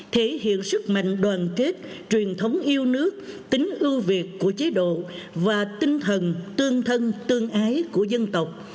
thể hiện sức mạnh đoàn kết truyền thống yêu nước tính ưu việt của chế độ và tinh thần tương thân tương ái của dân tộc